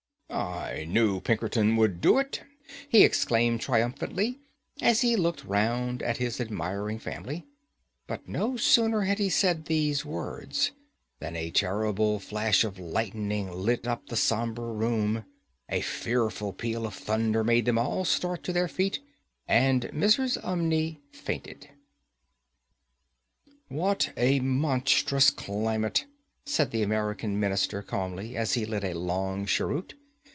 "I knew Pinkerton would do it," he exclaimed, triumphantly, as he looked round at his admiring family; but no sooner had he said these words than a terrible flash of lightning lit up the sombre room, a fearful peal of thunder made them all start to their feet, and Mrs. Umney fainted. "What a monstrous climate!" said the American Minister, calmly, as he lit a long cheroot.